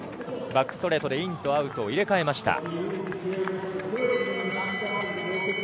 バックストレートでインとアウトを入れ替えました。